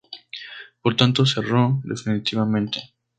Por tanto, cerró definitivamente.